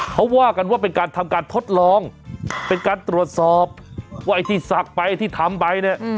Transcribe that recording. เขาว่ากันว่าเป็นการทำการทดลองเป็นการตรวจสอบว่าไอ้ที่ศักดิ์ไปที่ทำไปเนี่ย